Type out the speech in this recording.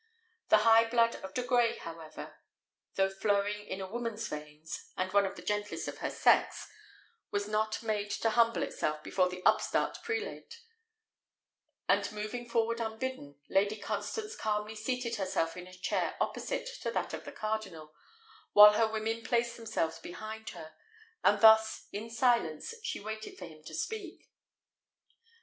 The high blood of De Grey, however, though flowing in a woman's veins, and one of the gentlest of her sex, was not made to humble itself before the upstart prelate; and moving forward unbidden, Lady Constance calmly seated herself in a chair opposite to that of the cardinal, while her women placed themselves behind her; and thus, in silence, she waited for him to speak.